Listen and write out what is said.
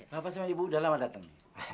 bapak sama ibu udah lama datang